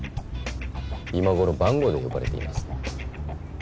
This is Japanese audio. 今頃番号で呼ばれています。